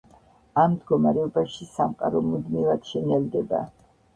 ამ მდგომარეობაში, სამყარო მუდმივად შენელდება.